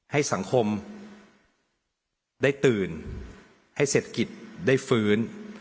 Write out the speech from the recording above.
ให้สังคมได้ตื่นให้เศรษฐกิจได้ฟื้น